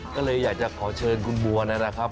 ก็เลยอยากจะขอเชิญคุณบัวนะครับ